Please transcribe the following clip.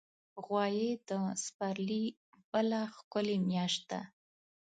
غویی د پسرلي بله ښکلي میاشت ده.